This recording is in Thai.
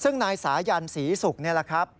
ซึ่งนายสายันศรีศุกร์นี่แหละครับ